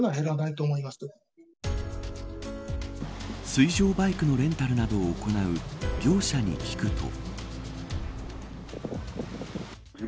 水上バイクのレンタルなどを行う業者に聞くと。